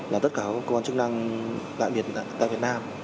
là tất cả các công an chức năng đại biệt tại việt nam